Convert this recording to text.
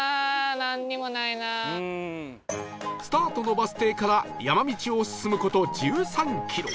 スタートのバス停から山道を進む事１３キロ